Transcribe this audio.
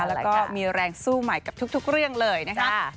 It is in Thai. แล้วก็มีแรงสู้ใหม่กับทุกเรื่องเลยนะคะ